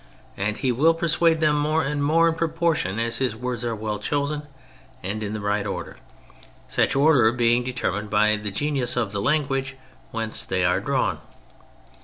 And he will persuade them more and more in proportion as his words are well chosen and in the right order, such order being deter mined by the genius of the language whence they are drawn.